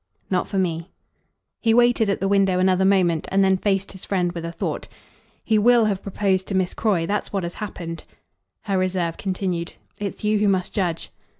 "Not for me." He waited at the window another moment and then faced his friend with a thought. "He WILL have proposed to Miss Croy. That's what has happened." Her reserve continued. "It's you who must judge."